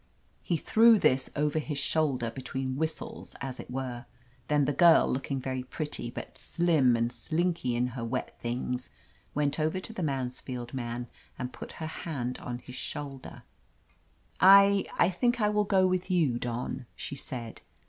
He threw this over his shoulder, between whistles, as it were. Then the girl, looking very pretty, but slim and slinky in her wet things, went over to the Mansfield man and put her hand on his shoulder. 341 THE AMAZING ADVENTURES *1 — I think I will go with you, Don !" she said.